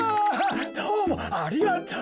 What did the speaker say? どうもありがとう。